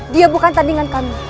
dia bukan tandingan kami